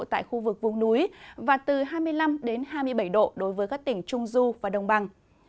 tại khu vực vùng núi và từ hai mươi năm hai mươi bảy độ đối với các tỉnh trung du và đồng bằng